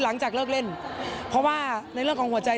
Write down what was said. หลังจากเลิกเล่นเพราะว่าในเรื่องของหัวใจ